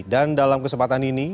dan dalam kesempatan ini